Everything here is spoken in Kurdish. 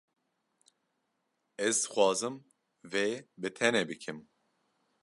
Ez dixwazim vê bi tenê bikim.